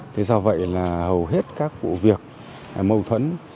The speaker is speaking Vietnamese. thế do vậy là hầu hết các vụ việc mâu thuẫn